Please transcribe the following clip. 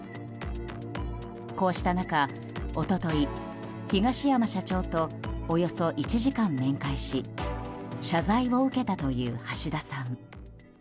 こうした中、一昨日東山社長とおよそ１時間面会し謝罪を受けたという橋田さん。